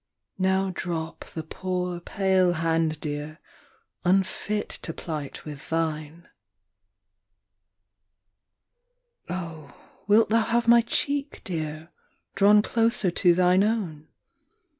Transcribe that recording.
Now drop the poor pale hand, Dear, unfit to plight with thine. ii. Oh, wilt thou have my cheek, Dear, drawn closer to thine own